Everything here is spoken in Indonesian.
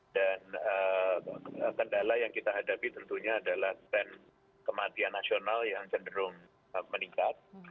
dan kendala yang kita hadapi tentunya adalah pen kematian nasional yang cenderung meningkat